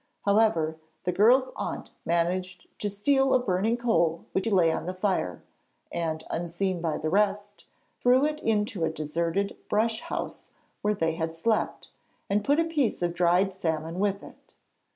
However, the girl's aunt managed to steal a burning coal which lay on the fire, and, unseen by the rest, threw it into a deserted brush house where they had slept, and put a piece of dried salmon with it.